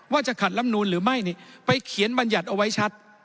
ว่าจะขัดลำนูนหรือไม่ไปเขียนบรรยัติเอาไว้ชัด